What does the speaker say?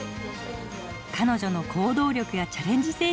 彼女の行動力やチャレンジ